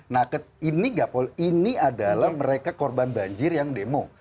nah ini adalah mereka korban banjir yang demo